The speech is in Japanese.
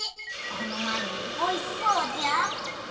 このまえのよりおいしそうじゃん。